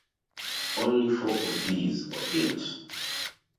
Only four of these were built.